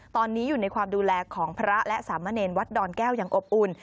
ตอนนี้อยู่ในความดูแลของพระและสามเณรวัดดอนแก้วอย่างอบอุ่น